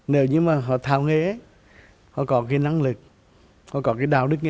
nếu như mà họ thảo nghệ họ có cái năng lực họ có cái đạo đức nghệ